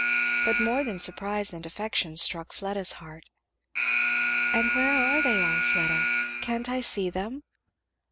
But more than surprise and affection struck Fleda's heart. "And where are they all, Fleda? Can't I see them?"